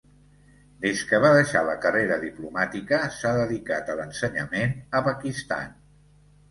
Des que va deixar la carrera diplomàtica s'ha dedicat a l'ensenyament a Pakistan.